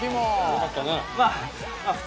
よかったな。